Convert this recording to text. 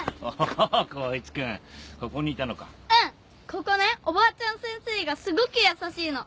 ここねおばあちゃん先生がすごく優しいの。